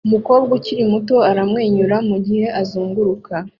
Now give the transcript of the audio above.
Umukobwa ukiri muto aramwenyura mugihe azunguruka